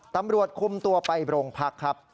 ตำรวจคุมตัวไปโรงพักครับ